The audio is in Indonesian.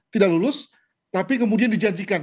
tidak lulus tapi kemudian dijanjikan